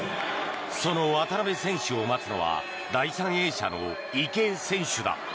その渡部選手を待つのは第３泳者の池江選手だ。